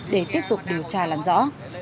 để tiếp tục điều tra làm rõ